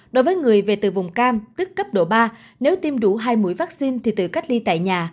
đối với người về từ vùng cam tức cấp độ ba nếu tiêm đủ hai mũi vaccine thì tự cách ly tại nhà